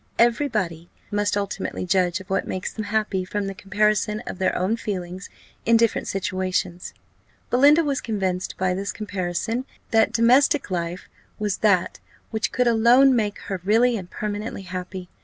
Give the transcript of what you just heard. Every body must ultimately judge of what makes them happy, from the comparison of their own feelings in different situations. Belinda was convinced by this comparison, that domestic life was that which could alone make her really and permanently happy.